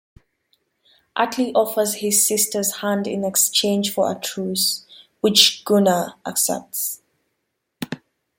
Atli offers his sister's hand in exchange for a truce, which Gunnar accepts.